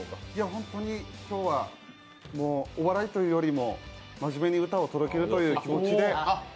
本当に今日はお笑いというよりも真面目に歌を届けようという気持ちで。